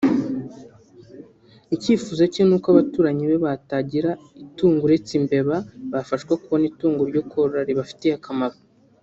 Icyifuzo cye n’uko n’abaturanyi be batagira itungo uretse imbeba bafashwa kubona itungo ryo korora ribafitiye akamaro